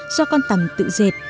do con tầm tự dệt